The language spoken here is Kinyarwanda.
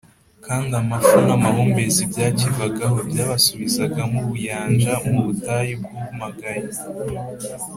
kandi amafu n’amahumbezi byakivagaho byabasubizagamo ubuyanja mu butayu bwumagaye,